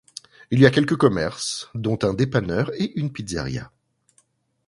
Il y a quelques commerces dont un dépanneur et une pizzéria.